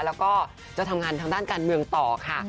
แล้วก็จะทำงานทางด้านการเมืองต่อค่ะ